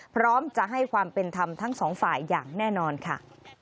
พร้อมจะให้ความเป็นธรรมทั้งสองฝ่ายอย่างแน่นอนค่ะ